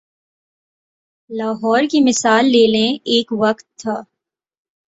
لاہور کی مثال لے لیں، ایک وقت تھا۔